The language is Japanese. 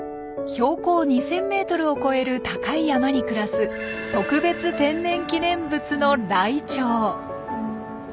標高２，０００ｍを超える高い山に暮らす特別天然記念物のライチョウ。